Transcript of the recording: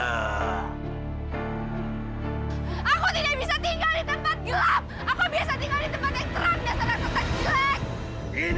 aku bisa tinggal di tempat yang terang